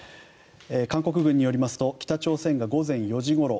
韓国軍によりますと北朝鮮が午前４時ごろ